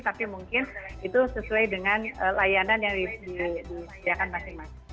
tapi mungkin itu sesuai dengan layanan yang disediakan masing masing